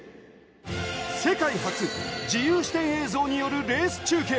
世界初、自由視点映像によるレース中継。